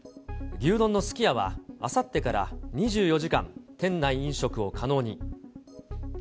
牛丼のすき家はあさってから２４時間、店内飲食を可能に。